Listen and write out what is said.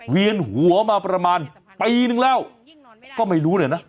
เวียนหัวมาประมาณปีนึงแล้วก็ไม่รู้เลยนะ